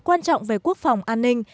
quan trọng về quốc phòng an ninh